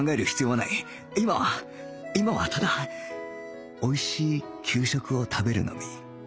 今は今はただおいしい給食を食べるのみ